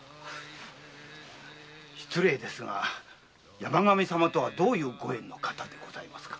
失礼ですが山上様とはどういうご縁の方でございますか？